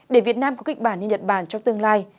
để việt nam có kịch bản như nhật bản trong tương lai